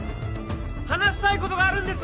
話したいことがあるんです